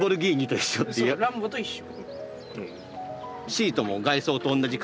そうランボと一緒。